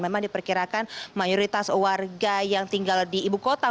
memang diperkirakan mayoritas warga yang tinggal di ibu kota